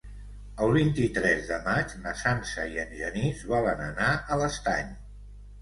El vint-i-tres de maig na Sança i en Genís volen anar a l'Estany.